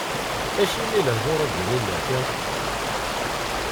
Acimi lehdur-agi imerka?